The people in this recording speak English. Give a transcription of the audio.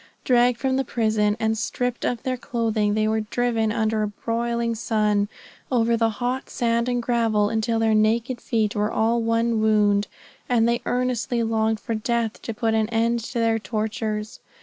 Dragged from the prison, and stripped of their clothing, they were driven under a broiling sun, over the hot sand and gravel until their naked feet were all one wound, and they earnestly longed for death to put an end to their tortures.